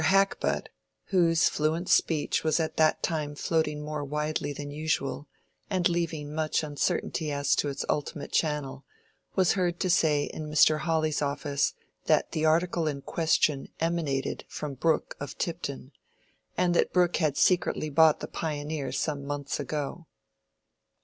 Hackbutt, whose fluent speech was at that time floating more widely than usual, and leaving much uncertainty as to its ultimate channel, was heard to say in Mr. Hawley's office that the article in question "emanated" from Brooke of Tipton, and that Brooke had secretly bought the "Pioneer" some months ago.